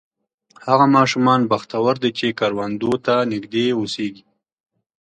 هغه ماشومان بختور دي چې کروندو ته نږدې اوسېږي.